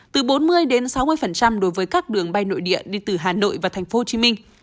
từ bốn mươi sáu mươi đối với các đường bay nội địa đi từ hà nội và thành phố hồ chí minh